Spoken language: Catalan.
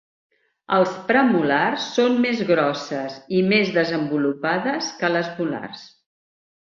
Els premolars són més grosses i més desenvolupades que les molars.